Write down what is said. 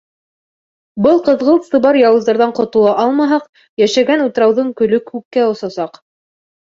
Был ҡыҙғылт-сыбар яуыздарҙан ҡотола алмаһаҡ, йәшәгән утрауҙың көлө күккә осасаҡ.